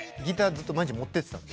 ずっと毎日持ってってたんで。